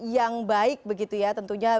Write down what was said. yang baik begitu ya